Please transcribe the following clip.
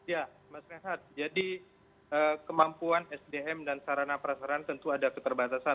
ya mas rehat jadi kemampuan sdm dan sarana prasarana tentu ada keterbatasan